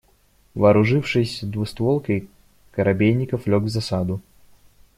Вооружившись двустволкой, Коробейников лёг в засаду.